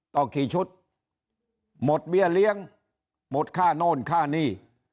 ต่อกี่ชุดหมดเบี้ยเลี้ยงหมดค่าโน่นค่านี่